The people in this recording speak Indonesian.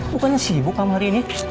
bukannya sibuk kamar ini